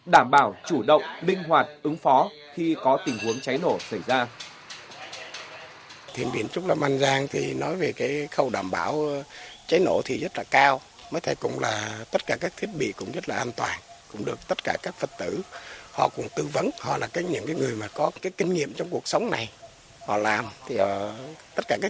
đảm bảo chủ động minh hoạt ứng phó khi có tình huống cháy nổ xảy ra